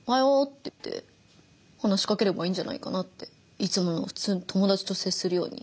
いつもの普通に友達と接するように。